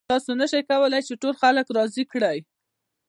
تاسې نشئ کولی چې ټول خلک راضي کړئ.